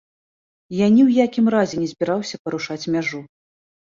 Я ні ў якім разе не збіраўся парушаць мяжу.